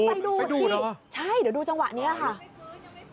เดี๋ยวดูจังหวะนี้ค่ะ